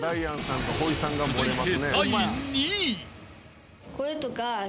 ［続いて］